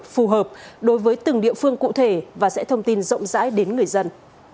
phù hợp đối với từng địa phương cụ thể và sẽ thông tin rộng rãi đến người dân